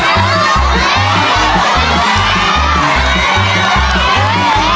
เยี่ยม